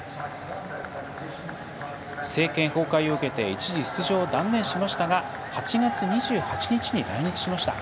政権崩壊を受けて一時出場を断念しましたが８月２８日に来日しました。